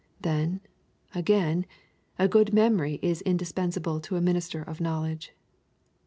Then, again, a good memory is indispensable to a minister of knowledge.